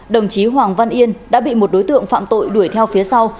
đồng chí hoàng văn yên đã bị một đối tượng phạm tội đuổi theo phía sau